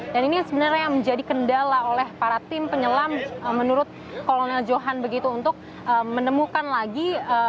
dan ini sebenarnya menjadi kendala oleh para tim penyelam menurut kolonel johan begitu untuk menemukan lagi